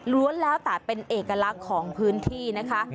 ้วนแล้วแต่เป็นเอกลักษณ์ของพื้นที่นะคะ